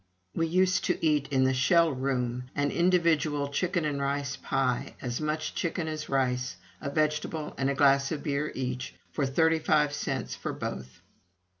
We used to eat in the "Shell Room" an individual chicken and rice pie (as much chicken as rice), a vegetable, and a glass of beer each, for thirty five cents for both.